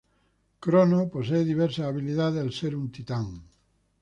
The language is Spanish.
Cronos posee diversas habilidades al ser un Titán.